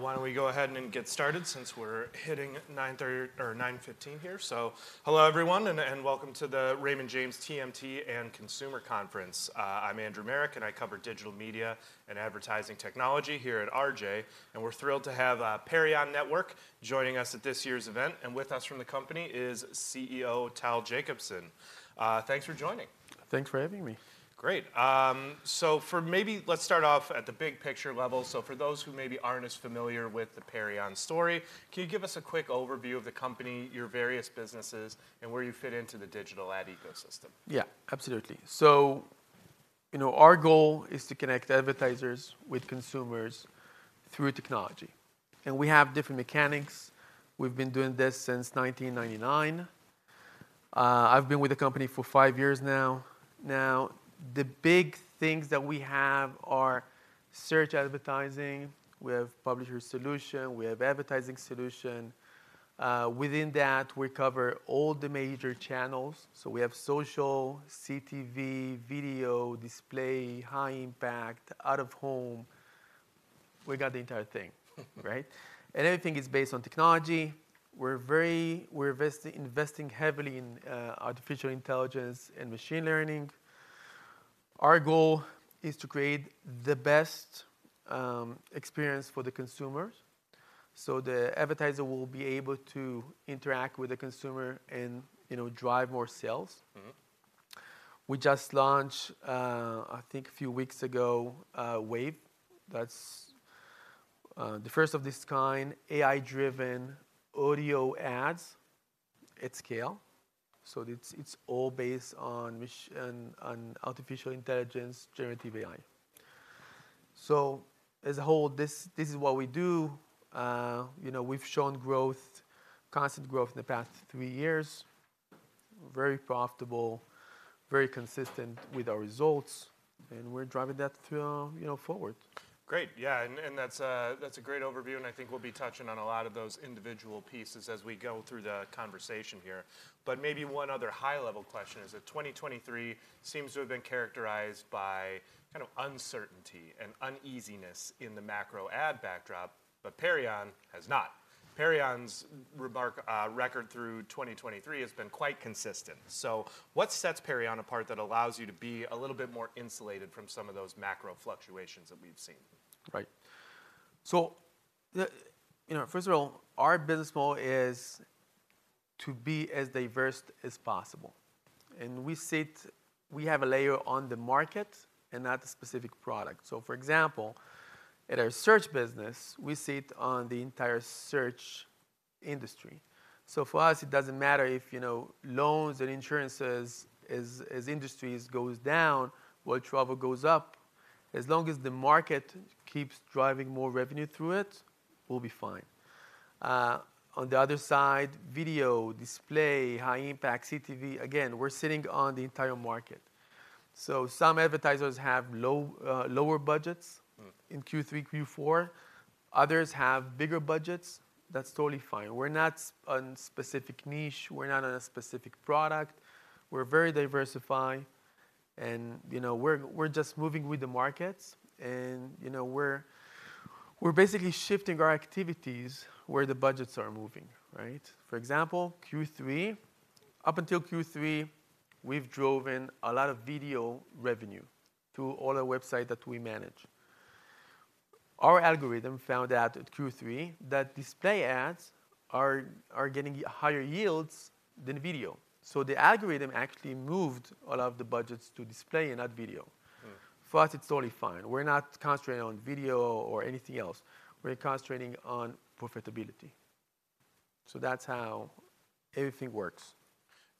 All right, why don't we go ahead and get started since we're hitting 9:30 A.M. or 9:15 A.M. here. Hello everyone, and welcome to the Raymond James TMT and Consumer Conference. I'm Andrew Marok, and I cover digital media and advertising technology here at RJ, and we're thrilled to have Perion Network joining us at this year's event. With us from the company is CEO Tal Jacobson. Thanks for joining. Thanks for having me. Great. So for maybe let's start off at the big-picture level. So for those who maybe aren't as familiar with the Perion story, can you give us a quick overview of the company, your various businesses, and where you fit into the digital ad ecosystem? Yeah, absolutely. So, you know, our goal is to connect advertisers with consumers through technology, and we have different mechanics. We've been doing this since 1999. I've been with the company for five years now. Now, the big things that we have are search advertising, we have publisher solution, we have advertising solution. Within that, we cover all the major channels. So we have social, CTV, video, display, high impact, out of home. We got the entire thing—right? And everything is based on technology. We're investing heavily in artificial intelligence and machine learning. Our goal is to create the best experience for the consumers, so the advertiser will be able to interact with the consumer and, you know, drive more sales. Mm-hmm. We just launched, I think a few weeks ago, Wave. That's the first of its kind AI-driven audio ads at scale. So it's all based on artificial intelligence, generative AI. So as a whole, this is what we do. You know, we've shown growth, constant growth in the past three years. Very profitable, very consistent with our results, and we're driving that, you know, forward. Great. Yeah, and that's a great overview, and I think we'll be touching on a lot of those individual pieces as we go through the conversation here. But maybe one other high-level question is that 2023 seems to have been characterized by kind of uncertainty and uneasiness in the macro ad backdrop, but Perion has not. Perion's remarkable record through 2023 has been quite consistent. So what sets Perion apart that allows you to be a little bit more insulated from some of those macro fluctuations that we've seen? Right. You know, first of all, our business model is to be as diverse as possible, and we sit, we have a layer on the market and not a specific product. So, for example, at our search business, we sit on the entire search industry. So for us, it doesn't matter if, you know, loans and insurances as industries goes down, while travel goes up. As long as the market keeps driving more revenue through it, we'll be fine. On the other side, video, display, high impact, CTV, again, we're sitting on the entire market. So some advertisers have lower budgets- Mm... in Q3, Q4, others have bigger budgets. That's totally fine. We're not on specific niche. We're not on a specific product. We're very diversified, and, you know, we're just moving with the markets, and, you know, we're basically shifting our activities where the budgets are moving, right? For example, Q3, up until Q3, we've driven a lot of video revenue to all our website that we manage. Our algorithm found out at Q3 that display ads are getting higher yields than video. So the algorithm actually moved all of the budgets to display and not video. Mm. For us, it's totally fine. We're not concentrating on video or anything else. We're concentrating on profitability. So that's how everything works.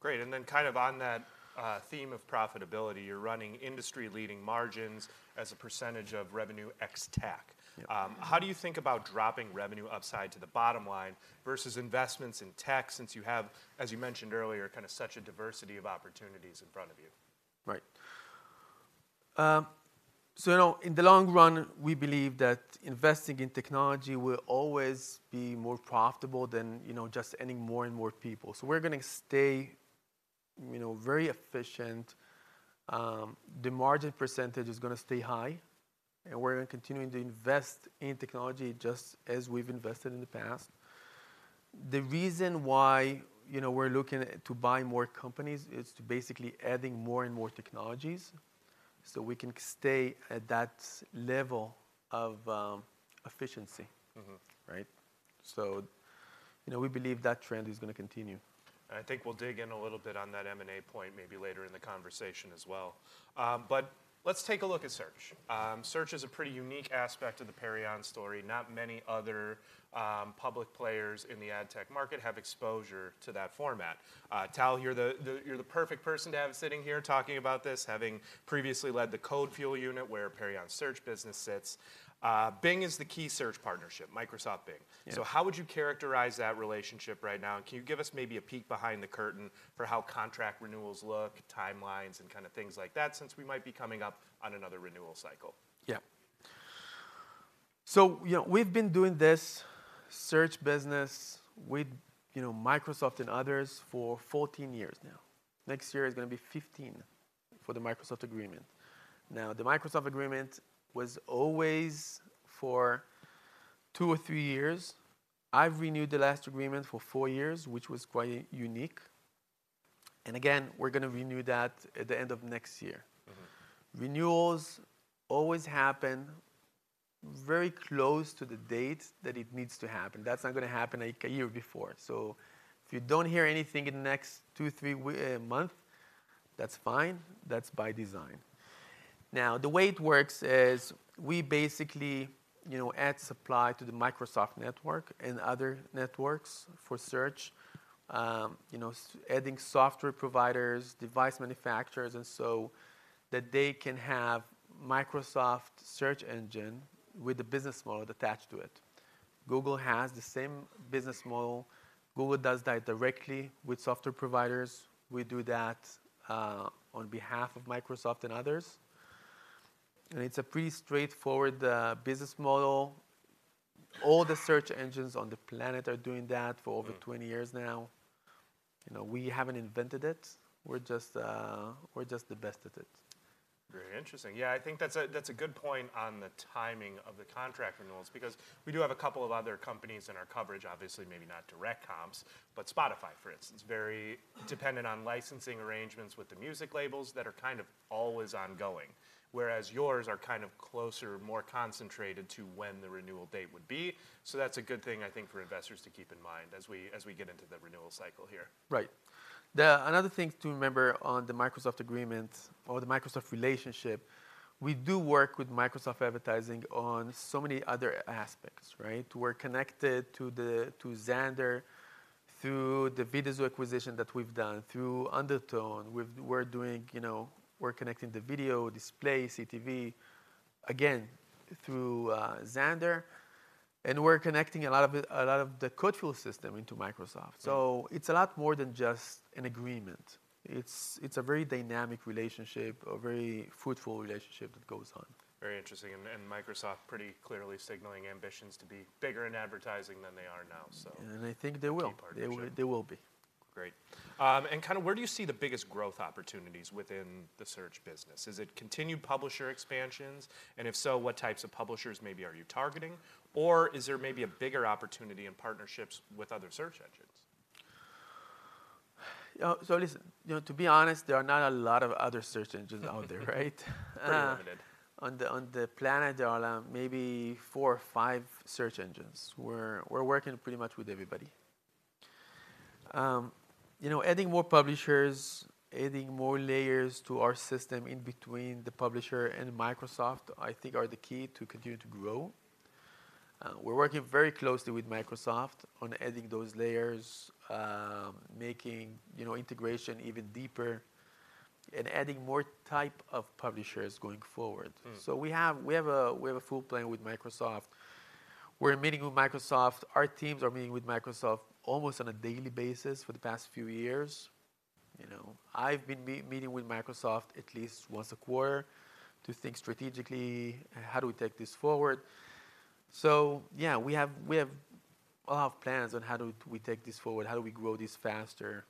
Great, and then kind of on that theme of profitability, you're running industry-leading margins as a percentage of revenue ex-TAC. Yeah. How do you think about dropping revenue upside to the bottom line versus investments in tech, since you have, as you mentioned earlier, kind of such a diversity of opportunities in front of you? Right. So, you know, in the long run, we believe that investing in technology will always be more profitable than, you know, just adding more and more people. So we're gonna stay, you know, very efficient. The margin percentage is gonna stay high, and we're continuing to invest in technology just as we've invested in the past. The reason why, you know, we're looking at to buy more companies is to basically adding more and more technologies, so we can stay at that level of efficiency. Mm-hmm. Right? So, you know, we believe that trend is gonna continue. I think we'll dig in a little bit on that M&A point maybe later in the conversation as well. Let's take a look at search. Search is a pretty unique aspect of the Perion story. Not many other public players in the ad tech market have exposure to that format. Tal, you're the perfect person to have sitting here talking about this, having previously led the CodeFuel unit, where Perion search business sits. Bing is the key search partnership, Microsoft Bing. Yeah. How would you characterize that relationship right now? Can you give us maybe a peek behind the curtain for how contract renewals look, timelines, and kind of things like that, since we might be coming up on another renewal cycle? Yeah. So, you know, we've been doing this search business with, you know, Microsoft and others for 14 years now. Next year is gonna be 15… for the Microsoft agreement. Now, the Microsoft agreement was always for 2 or 3 years. I've renewed the last agreement for 4 years, which was quite unique, and again, we're gonna renew that at the end of next year. Mm-hmm. Renewals always happen very close to the date that it needs to happen. That's not gonna happen, like, a year before. So if you don't hear anything in the next two, three month, that's fine. That's by design. Now, the way it works is we basically, you know, add supply to the Microsoft network and other networks for search. You know, adding software providers, device manufacturers, and so that they can have Microsoft search engine with a business model attached to it. Google has the same business model. Google does that directly with software providers. We do that on behalf of Microsoft and others, and it's a pretty straightforward business model. All the search engines on the planet are doing that for- Mm... over 20 years now. You know, we haven't invented it, we're just, we're just the best at it. Very interesting. Yeah, I think that's a, that's a good point on the timing of the contract renewals, because we do have a couple of other companies in our coverage, obviously, maybe not direct comps, but Spotify, for instance, very dependent on licensing arrangements with the music labels that are kind of always ongoing, whereas yours are kind of closer, more concentrated to when the renewal date would be. So that's a good thing, I think, for investors to keep in mind as we, as we get into the renewal cycle here. Right. The other thing to remember on the Microsoft agreement or the Microsoft relationship, we do work with Microsoft Advertising on so many other aspects, right? We're connected to Xandr, through the Vidazoo acquisition that we've done, through Undertone. We're doing... You know, we're connecting the video, display, CTV, again, through Xandr, and we're connecting a lot of it - a lot of the CodeFuel system into Microsoft. Mm. So it's a lot more than just an agreement. It's a very dynamic relationship, a very fruitful relationship that goes on. Very interesting, and Microsoft pretty clearly signaling ambitions to be bigger in advertising than they are now, so- I think they will- Key partnership... they will, they will be. Great. And kind of where do you see the biggest growth opportunities within the search business? Is it continued publisher expansions, and if so, what types of publishers maybe are you targeting? Or is there maybe a bigger opportunity in partnerships with other search engines? You know, so listen, you know, to be honest, there are not a lot of other search engines out there, right? Pretty limited. On the planet, there are maybe four or five search engines. We're working pretty much with everybody. You know, adding more publishers, adding more layers to our system in between the publisher and Microsoft, I think, are the key to continue to grow. We're working very closely with Microsoft on adding those layers, making, you know, integration even deeper and adding more type of publishers going forward. Mm. So we have a full plan with Microsoft. We're meeting with Microsoft. Our teams are meeting with Microsoft almost on a daily basis for the past few years. You know, I've been meeting with Microsoft at least once a quarter to think strategically, how do we take this forward? So yeah, we have a lot of plans on how do we take this forward, how do we grow this faster?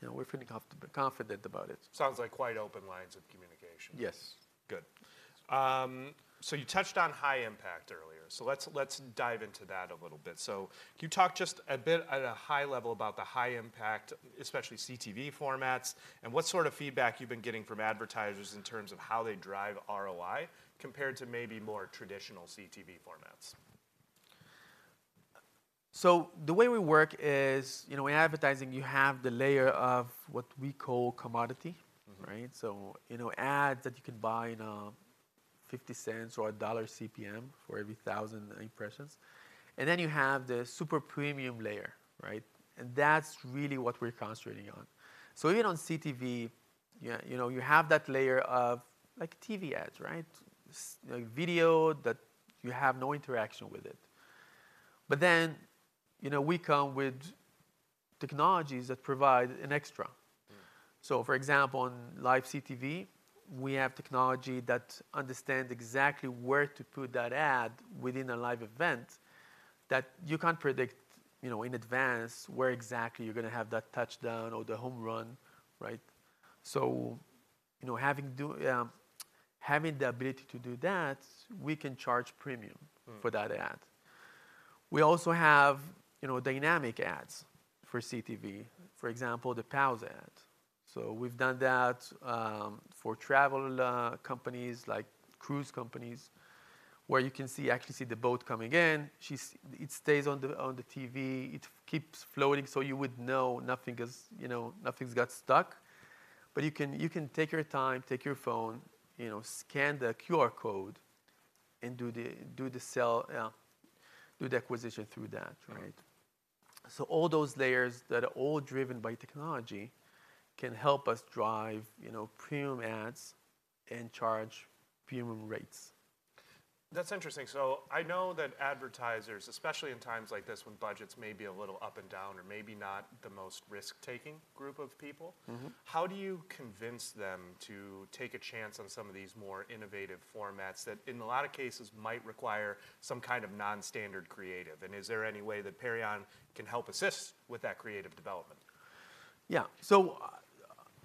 You know, we're feeling confident about it. Sounds like quite open lines of communication. Yes. Good. So you touched on high impact earlier, so let's dive into that a little bit. So can you talk just a bit at a high level about the high impact, especially CTV formats, and what sort of feedback you've been getting from advertisers in terms of how they drive ROI compared to maybe more traditional CTV formats? The way we work is, you know, in advertising, you have the layer of what we call commodity. Mm-hmm. Right? So, you know, ads that you can buy in fifty cents or a dollar CPM for every thousand impressions, and then you have the super premium layer, right? And that's really what we're concentrating on. So even on CTV, yeah, you know, you have that layer of, like, TV ads, right? Like, video that you have no interaction with it. But then, you know, we come with technologies that provide an extra. Mm. So, for example, on live CTV, we have technology that understand exactly where to put that ad within a live event, that you can't predict, you know, in advance where exactly you're gonna have that touchdown or the home run, right? So, you know, having the ability to do that, we can charge premium- Mm... for that ad. We also have, you know, dynamic ads for CTV, for example, the pause ad. So we've done that for travel companies, like cruise companies, where you can see- actually see the boat coming in. It stays on the, on the TV. It keeps flowing, so you would know nothing is, you know, nothing's got stuck. But you can, you can take your time, take your phone, you know, scan the QR code, and do the, do the sell, do the acquisition through that, right? Right. All those layers that are all driven by technology can help us drive, you know, premium ads and charge premium rates. That's interesting. So I know that advertisers, especially in times like this when budgets may be a little up and down or maybe not the most risk-taking group of people- Mm-hmm... how do you convince them to take a chance on some of these more innovative formats that, in a lot of cases, might require some kind of non-standard creative? And is there any way that Perion can help assist with that creative development? Yeah. So,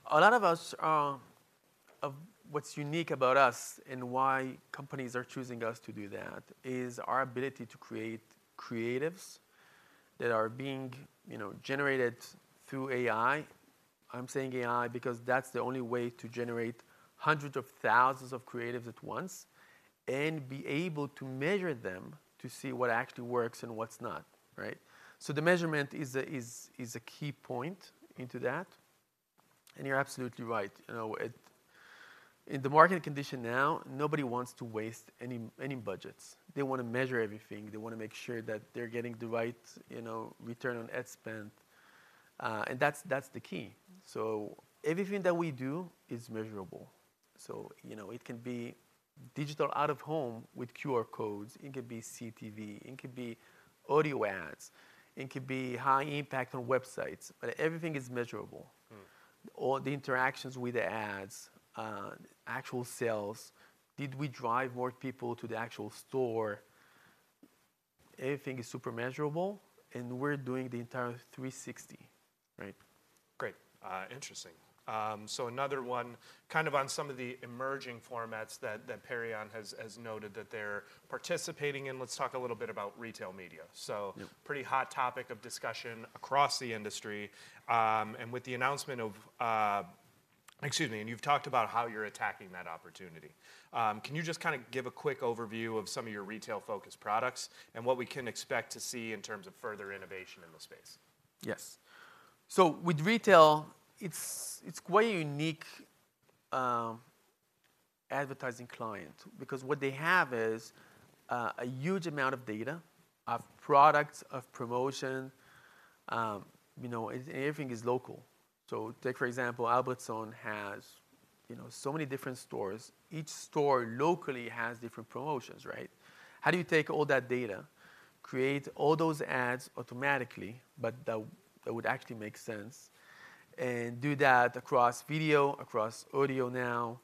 a lot of what's unique about us and why companies are choosing us to do that, is our ability to create creatives that are being, you know, generated through AI. I'm saying AI because that's the only way to generate hundreds of thousands of creatives at once and be able to measure them to see what actually works and what's not, right? So the measurement is a key point into that, and you're absolutely right. You know, in the marketing condition now, nobody wants to waste any budgets. They want to measure everything. They want to make sure that they're getting the right, you know, return on ad spend, and that's the key. So everything that we do is measurable. So, you know, it can be digital out-of-home with QR codes, it could be CTV, it could be audio ads, it could be high-impact on websites, but everything is measurable. Mm. All the interactions with the ads, actual sales, did we drive more people to the actual store? Everything is super measurable, and we're doing the entire 360. Right. Great. Interesting. So another one kind of on some of the emerging formats that Perion has noted that they're participating in. Let's talk a little bit about retail media. Yep. Pretty hot topic of discussion across the industry. You've talked about how you're attacking that opportunity. Can you just kind of give a quick overview of some of your retail-focused products and what we can expect to see in terms of further innovation in the space? Yes. So with retail, it's quite a unique advertising client because what they have is a huge amount of data, of products, of promotion. You know, everything is local. So take, for example, Albertsons has, you know, so many different stores. Each store locally has different promotions, right? How do you take all that data, create all those ads automatically, but that would actually make sense, and do that across video, across audio now,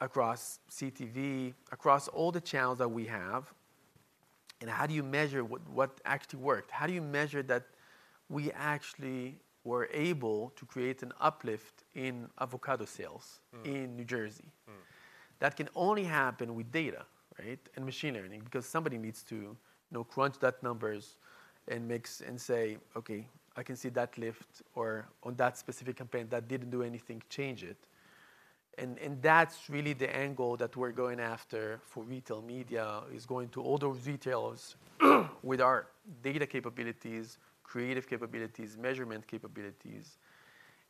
across CTV, across all the channels that we have, and how do you measure what actually worked? How do you measure that we actually were able to create an uplift in avocado sales- Mm... in New Jersey? Mm. That can only happen with data, right, and machine learning, because somebody needs to, you know, crunch that numbers and say, "Okay, I can see that lift," or, "On that specific campaign, that didn't do anything, change it." That's really the angle that we're going after for retail media, is going to all those retailers with our data capabilities, creative capabilities, measurement capabilities,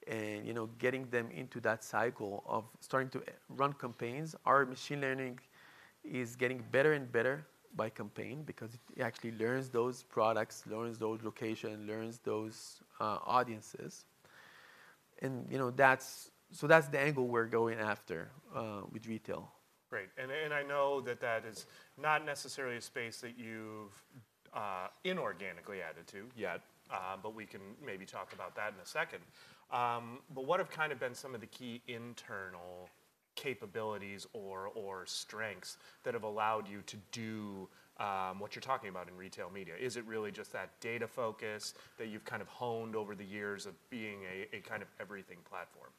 and, you know, getting them into that cycle of starting to run campaigns. Our machine learning is getting better and better by campaign because it actually learns those products, learns those locations, learns those audiences. You know, that's... So that's the angle we're going after with retail. Great. And, and I know that that is not necessarily a space that you've inorganically added to yet, but we can maybe talk about that in a second. But what have kind of been some of the key internal capabilities or, or strengths that have allowed you to do, what you're talking about in retail media? Is it really just that data focus that you've kind of honed over the years of being a, a kind of everything platform?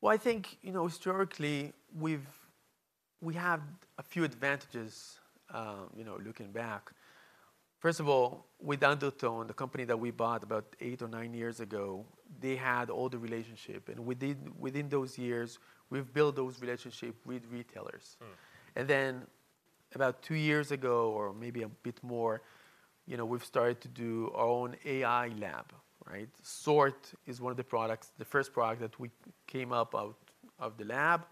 Well, I think, you know, historically, we have a few advantages, you know, looking back. First of all, with Undertone, the company that we bought about eight or nine years ago, they had all the relationship, and within those years, we've built those relationship with retailers. Mm. About two years ago, or maybe a bit more, you know, we've started to do our own AI lab, right? SORT is one of the products, the first product that we came up out of the lab.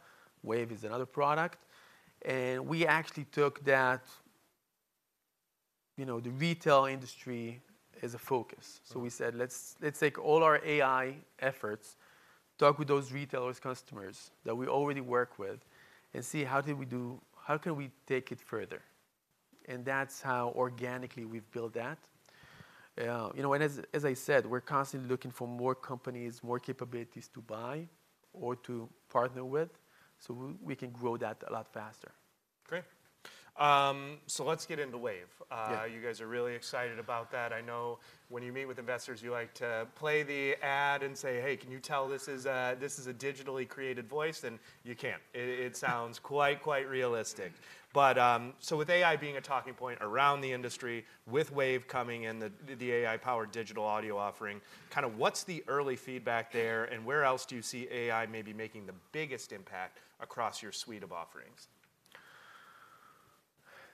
Wave is another product. We actually took that, you know, the retail industry as a focus. Mm. So we said, "Let's, let's take all our AI efforts, talk with those retailers, customers that we already work with, and see how did we do, how can we take it further?" That's how organically we've built that. You know, as I said, we're constantly looking for more companies, more capabilities to buy or to partner with, so we can grow that a lot faster. Great. So let's get into Wave. Yeah. You guys are really excited about that. I know when you meet with investors, you like to play the ad and say: "Hey, can you tell this is a digitally created voice?" And you can't. It sounds quite realistic. But so with AI being a talking point around the industry, with Wave coming and the AI-powered digital audio offering, kind of what's the early feedback there, and where else do you see AI maybe making the biggest impact across your suite of offerings?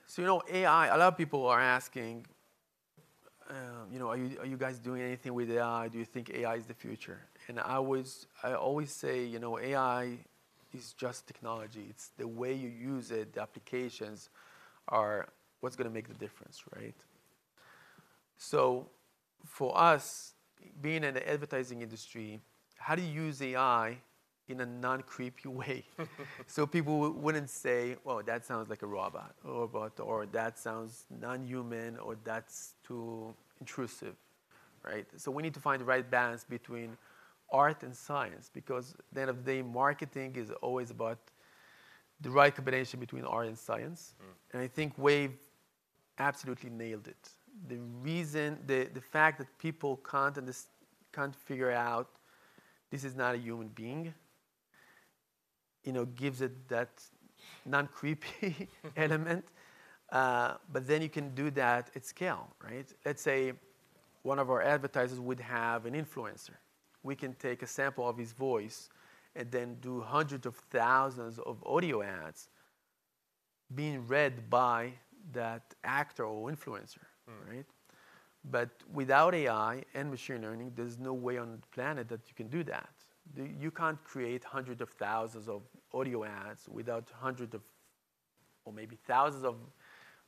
So, you know, AI, a lot of people are asking, you know: "Are you, are you guys doing anything with AI? Do you think AI is the future?" And I always, I always say: "You know, AI is just technology. It's the way you use it, the applications, are what's gonna make the difference, right?" So for us, being in the advertising industry, how do you use AI in a non-creepy way? So people wouldn't say, "Well, that sounds like a robot," or, "But..." or, "That sounds non-human," or, "That's too intrusive." Right? So we need to find the right balance between art and science, because at the end of the day, marketing is always about the right combination between art and science. Mm. I think Wave absolutely nailed it. The reason, the fact that people can't figure out this is not a human being, you know, gives it that non-creepy element. Mm. But then you can do that at scale, right? Let's say one of our advertisers would have an influencer. We can take a sample of his voice and then do hundreds of thousands of audio ads being read by that actor or influencer. Mm. Right? But without AI and machine learning, there's no way on the planet that you can do that. You can't create hundreds of thousands of audio ads without hundreds of or maybe thousands of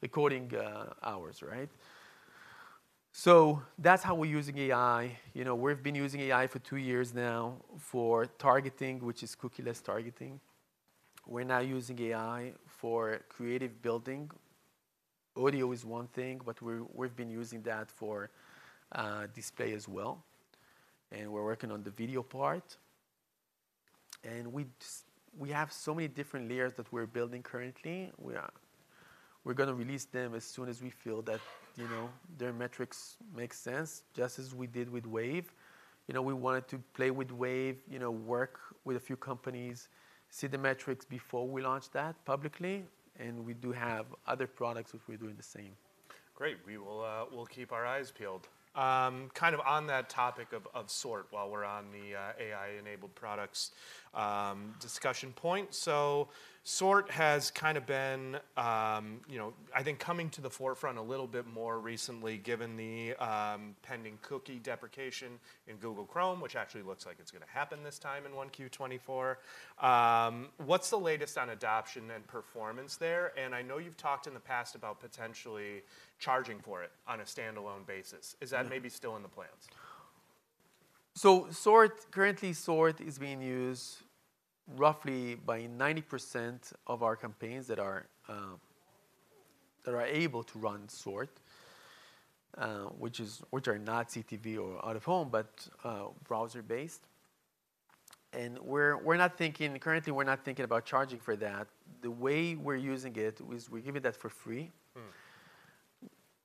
recording hours, right? So that's how we're using AI. You know, we've been using AI for two years now for targeting, which is cookieless targeting. We're now using AI for creative building. Audio is one thing, but we're, we've been using that for display as well, and we're working on the video part. And we have so many different layers that we're building currently. We're gonna release them as soon as we feel that, you know, their metrics make sense, just as we did with Wave. You know, we wanted to play with Wave, you know, work with a few companies, see the metrics before we launched that publicly, and we do have other products which we're doing the same. Great! We will. We'll keep our eyes peeled. Kind of on that topic of SORT, while we're on the AI-enabled products discussion point. So SORT has kind of been, you know, I think, coming to the forefront a little bit more recently, given the pending cookie deprecation in Google Chrome, which actually looks like it's gonna happen this time in Q1 2024. What's the latest on adoption and performance there? And I know you've talked in the past about potentially charging for it on a standalone basis. Mm. Is that maybe still in the plans? SORT, currently, SORT is being used roughly by 90% of our campaigns that are able to run SORT, which are not CTV or out-of-home, but browser-based. And we're not thinking, currently, we're not thinking about charging for that. The way we're using it is we're giving that for free.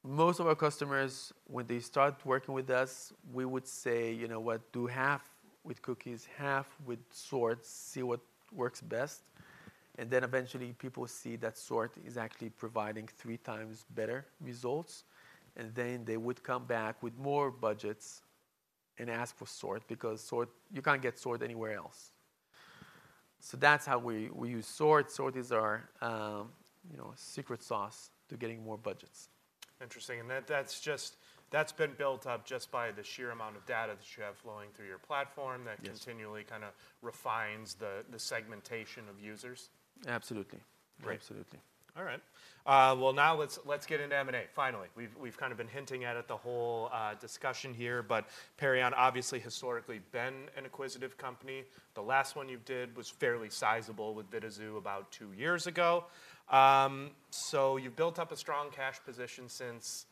Mm. Most of our customers, when they start working with us, we would say, "You know what? Do half with cookies, half with SORT, see what works best." And then eventually, people see that SORT is actually providing three times better results, and then they would come back with more budgets and ask for SORT, because SORT... You can't get SORT anywhere else. So that's how we use SORT. SORT is our, you know, secret sauce to getting more budgets. Interesting. And that's been built up just by the sheer amount of data that you have flowing through your platform. Yes - that continually kind of refines the segmentation of users. Absolutely. Great. Absolutely. All right. Well, now let's, let's get into M&A, finally. We've, we've kind of been hinting at it the whole discussion here, but Perion obviously historically been an acquisitive company. The last one you did was fairly sizable with Vidazoo about two years ago. So you've built up a strong cash position since.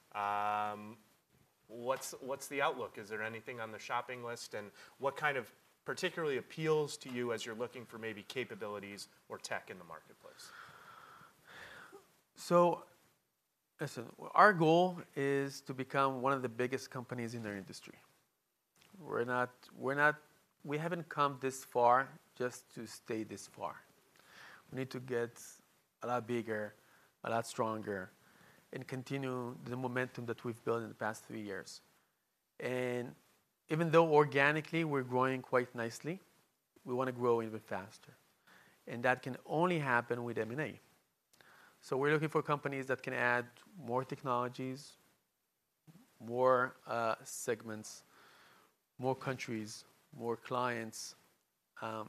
What's, what's the outlook? Is there anything on the shopping list, and what kind of particularly appeals to you as you're looking for maybe capabilities or tech in the marketplace? So listen, our goal is to become one of the biggest companies in our industry. We're not. We're not. We haven't come this far just to stay this far. We need to get a lot bigger, a lot stronger, and continue the momentum that we've built in the past three years. And even though organically we're growing quite nicely, we want to grow even faster, and that can only happen with M&A. So we're looking for companies that can add more technologies, more segments, more countries, more clients,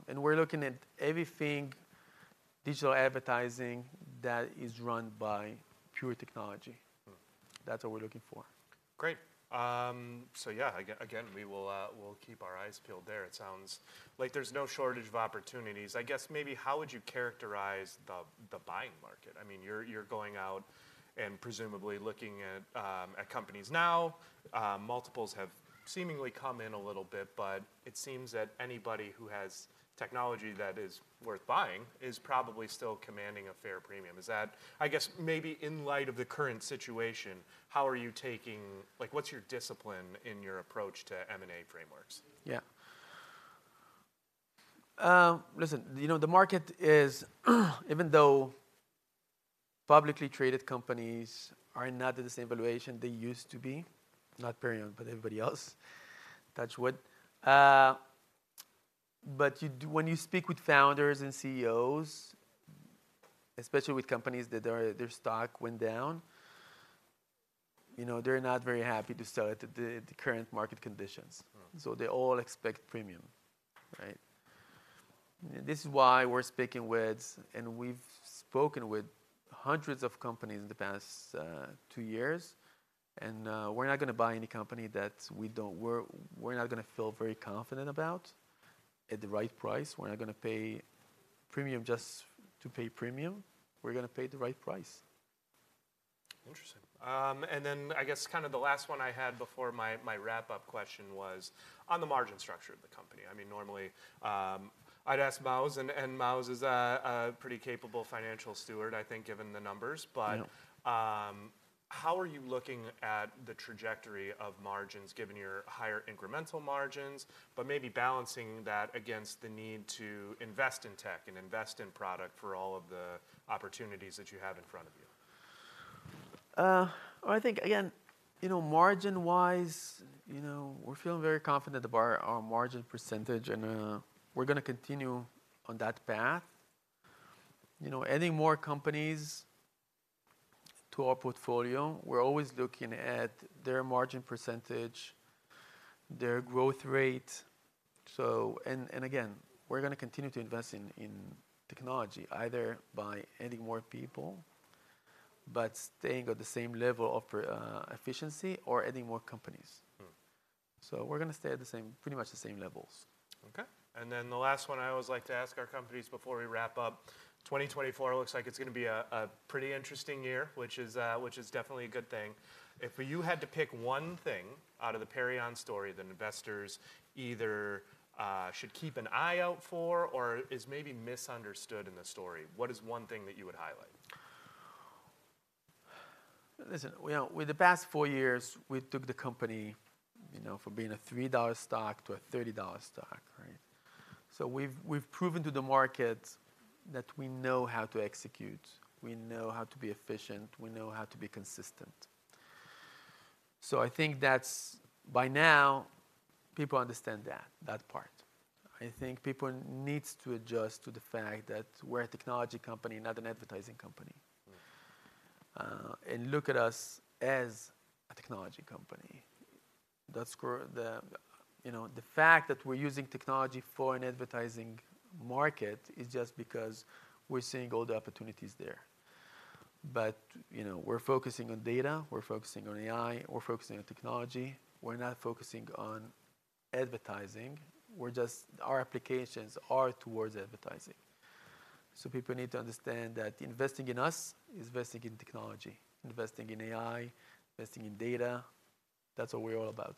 and we're looking at everything digital advertising that is run by pure technology. Mm. That's what we're looking for. Great. So yeah, again, we will, we'll keep our eyes peeled there. It sounds like there's no shortage of opportunities. I guess maybe how would you characterize the buying market? I mean, you're going out and presumably looking at companies now. Multiples have seemingly come in a little bit, but it seems that anybody who has technology that is worth buying is probably still commanding a fair premium. Is that... I guess, maybe in light of the current situation, how are you taking, like, what's your discipline in your approach to M&A frameworks? Yeah. Listen, you know, the market is, even though publicly traded companies are not at the same valuation they used to be, not Perion, but everybody else, touch wood. But you, when you speak with founders and CEOs, especially with companies that their stock went down, you know, they're not very happy to sell at the current market conditions. Mm. So they all expect premium, right? This is why we're speaking with, and we've spoken with hundreds of companies in the past two years, and we're not gonna buy any company that we're not gonna feel very confident about at the right price. We're not gonna pay premium just to pay premium. We're gonna pay the right price.... and then I guess kind of the last one I had before my wrap-up question was on the margin structure of the company. I mean, normally, I'd ask Maoz, and Maoz is a pretty capable financial steward, I think, given the numbers. Yeah. But, how are you looking at the trajectory of margins, given your higher incremental margins, but maybe balancing that against the need to invest in tech and invest in product for all of the opportunities that you have in front of you? I think, again, you know, margin-wise, you know, we're feeling very confident about our margin percentage, and we're gonna continue on that path. You know, adding more companies to our portfolio, we're always looking at their margin percentage, their growth rate. So... And, and again, we're gonna continue to invest in, in technology, either by adding more people but staying at the same level of efficiency or adding more companies. Hmm. We're gonna stay at the same, pretty much the same levels. Okay. And then the last one I always like to ask our companies before we wrap up, 2024 looks like it's gonna be a pretty interesting year, which is definitely a good thing. If you had to pick one thing out of the Perion story that investors either should keep an eye out for or is maybe misunderstood in the story, what is one thing that you would highlight? Listen, you know, with the past four years, we took the company, you know, from being a $3 stock to a $30 stock, right? So we've proven to the market that we know how to execute, we know how to be efficient, we know how to be consistent. So I think that's, by now, people understand that part. I think people needs to adjust to the fact that we're a technology company, not an advertising company. Hmm and look at us as a technology company. That score-- the, you know, the fact that we're using technology for an advertising market is just because we're seeing all the opportunities there. But, you know, we're focusing on data, we're focusing on AI, we're focusing on technology. We're not focusing on advertising. We're just... Our applications are towards advertising. So people need to understand that investing in us is investing in technology, investing in AI, investing in data. That's what we're all about.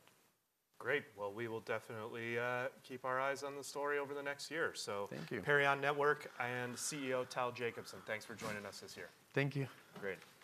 Great! Well, we will definitely keep our eyes on the story over the next year, so- Thank you. Perion Network and CEO Tal Jacobson, thanks for joining us this year. Thank you. Great.